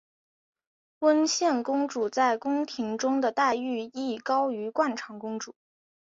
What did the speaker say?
温宪公主在宫廷中的待遇亦高于惯常公主。